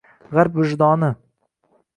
G‘arb vijdoni